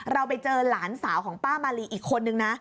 เราไปเจอหลานสาวของป้ามาลีอีกคนนึงนะ